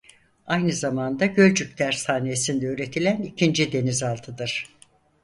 Aynı zamanda Gölcük Tersanesi'nde üretilen ikinci denizaltıdır.